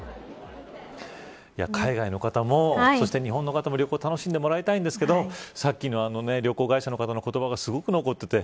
海外の方もそして日本の方も旅行楽しんでもらいたいんですけどさっきの旅行会社の方の言葉が残っていて